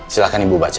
silahkan ibu baca